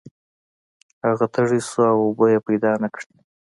هغه تږی شو او اوبه یې پیدا نه کړې.